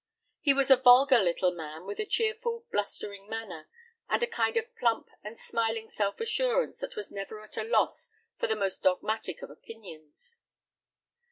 He was a vulgar little man with a cheerful, blustering manner, and a kind of plump and smiling self assurance that was never at a loss for the most dogmatic of opinions.